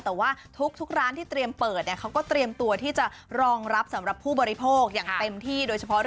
แต่ว่าทุกร้านที่เตรียมเปิดเนี่ยเขาก็เตรียมตัวที่จะรองรับสำหรับผู้บริโภคอย่างเต็มที่โดยเฉพาะ